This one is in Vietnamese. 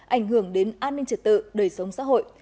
ảnh hưởng đến an ninh trật tự đời sống xã hội